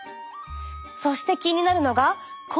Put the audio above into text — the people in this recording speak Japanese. そして気になるのがこの下の部分。